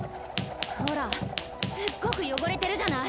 ほらすっごく汚れてるじゃない。